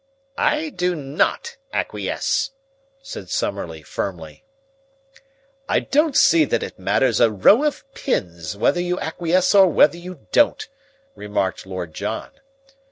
"I do not acquiesce," said Summerlee firmly. "I don't see that it matters a row of pins whether you acquiesce or whether you don't," remarked Lord John.